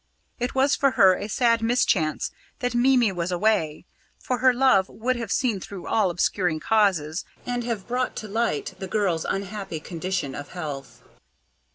It was for her a sad mischance that Mimi was away, for her love would have seen through all obscuring causes, and have brought to light the girl's unhappy condition of health.